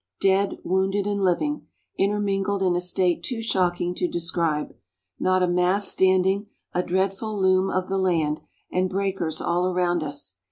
dead, wounded and living, intermingled in a state too shocking to describe; not a mast standing, a dreadful loom of the land, and breakers all around us.